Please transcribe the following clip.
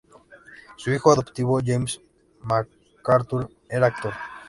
Su hijo adoptivo James MacArthur era actor.